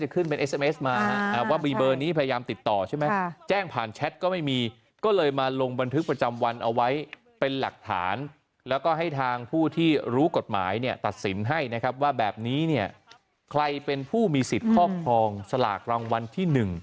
ใครเป็นผู้มีสิทธิ์ครอบครองสลากรางวัลที่๑